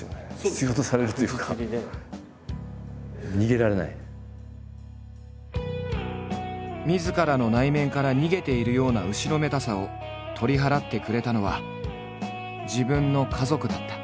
必要とされるというかみずからの内面から逃げているような後ろめたさを取り払ってくれたのは自分の家族だった。